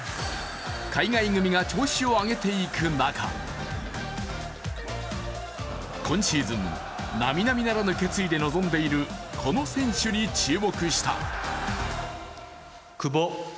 海外組が調子を上げていく中今シーズン、並々ならぬ決意で臨んでいるこの選手に注目した。